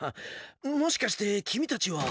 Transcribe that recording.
もしかしてきみたちは。